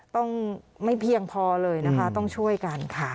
ต้องไม่เพียงพอเลยนะคะต้องช่วยกันค่ะ